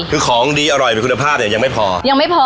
คือของดีอร่อยและมีคุณภาพเนี่ยยังไม่พอ